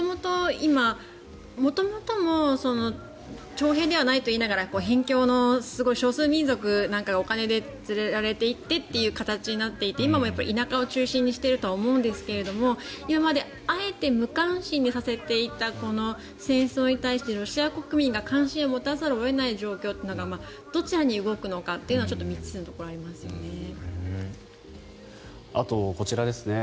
元々も徴兵ではないと言いながら辺境の少数民族なんかが連れられていてという形になっていて今も田舎を中心にしているとは思うんですが今まであえて無関心にさせていたこの戦争に対して、ロシア国民が関心を持たざるを得ない状況がどちらに動くのかというのは未知数なところがありますね。